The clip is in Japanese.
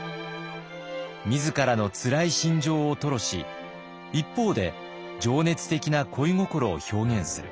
自らのつらい心情を吐露し一方で情熱的な恋心を表現する。